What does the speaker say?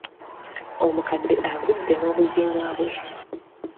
Omukadde agudde n’obuziina bwe.